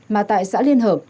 mà tại xã liên hợp